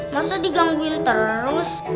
masa digangguin terus